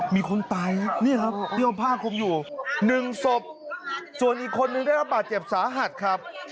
มีคนตายครับนี่ครับที่เอาผ้าคลุมอยู่๑ศพส่วนอีกคนนึงได้รับบาดเจ็บสาหัสครับ